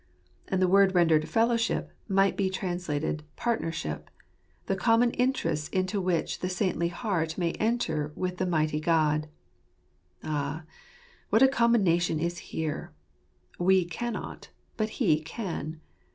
And the word rendered fellowship might be translated partner ship] the common interests into which the saintly heart may enter with the mighty God. Ah, what a combination is here! We cannot; but He can!